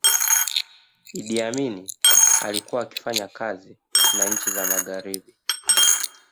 iddi amini alikuwa akifanya kazi na nchi za magharibi